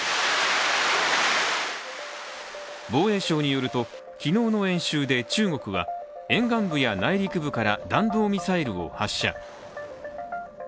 防衛省によると昨日の演習で中国は沿岸部や内陸部から弾道ミサイルを発射。